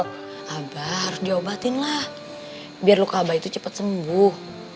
abah harus diobatinlah biar luka abah itu cepat sembuh